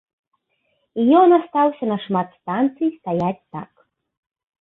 І ён астаўся на шмат станцый стаяць так.